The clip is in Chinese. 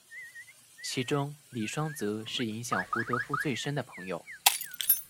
其中李双泽是影响胡德夫最深的朋友。